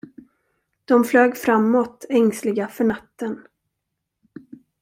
De flög framåt, ängsliga för natten.